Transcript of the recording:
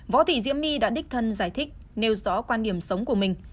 võ thị diễm my đã đích thân giải thích nêu rõ quan điểm sống của mình